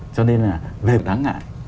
cho nên là về một đáng ngại